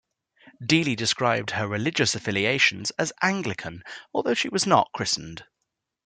Deeley describes her religious affiliation as Anglican, although she was not christened.